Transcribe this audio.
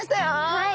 はい。